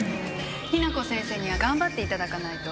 雛子先生には頑張っていただかないと。